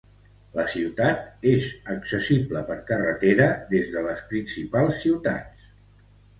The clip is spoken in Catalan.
La ciutat és accessible per carretera des de les principals ciutats.